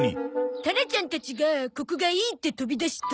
種ちゃんたちがここがいいって飛び出した。